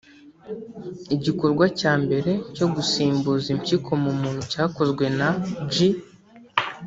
Igikorwa cya mbere cyo gusimbuza impyiko mu muntu cyakozwe na J